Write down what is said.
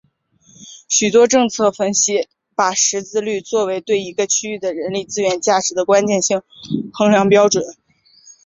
许多政策分析把识字率作为对一个区域的人力资本价值的关键性衡量标准。